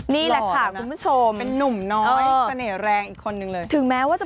นี่แหละค่ะคุณผู้ชม